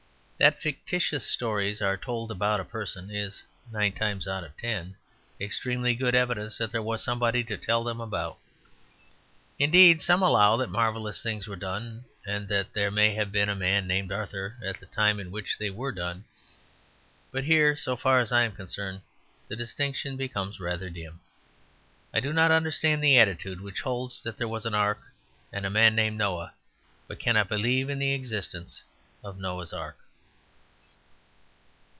That fictitious stories are told about a person is, nine times out of ten, extremely good evidence that there was somebody to tell them about. Indeed some allow that marvellous things were done, and that there may have been a man named Arthur at the time in which they were done; but here, so far as I am concerned, the distinction becomes rather dim. I do not understand the attitude which holds that there was an Ark and a man named Noah, but cannot believe in the existence of Noah's Ark.